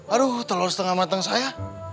aduh telur setengah matang saya